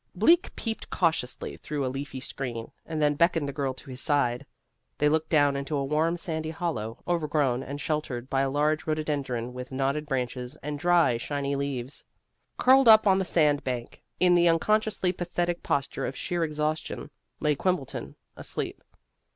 Bleak peeped cautiously through a leafy screen, and then beckoned the girl to his side. They looked down into a warm sandy hollow, overgrown and sheltered by a large rhododendron with knotted branches and dry, shiny leaves. Curled up on the sand bank, in the unconsciously pathetic posture of sheer exhaustion, lay Quimbleton, asleep.